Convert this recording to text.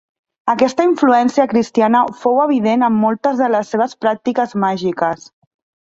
Aquesta influència cristiana fou evident en moltes de les seves pràctiques màgiques.